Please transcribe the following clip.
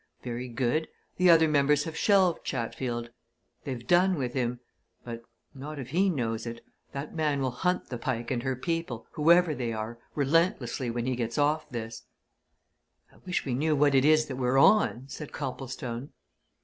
Very good the other members have shelved Chatfield. They've done with him. But not if he knows it! That man will hunt the Pike and her people whoever they are relentlessly when he gets off this." "I wish we knew what it is that we're on!" said Copplestone.